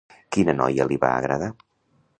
Quina noia li va agradar?